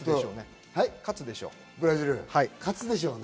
勝つでしょうね。